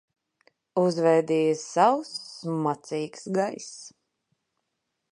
Uzvēdīja sauss, smacīgs gaiss.